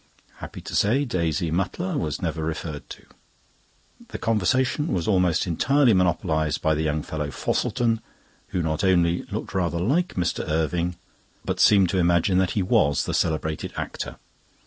Happy to say Daisy Mutlar was never referred to. The conversation was almost entirely monopolised by the young fellow Fosselton, who not only looked rather like Mr. Irving, but seemed to imagine that he was the celebrated actor.